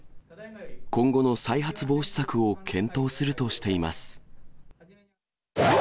今後の再発防止策を検討するとしています。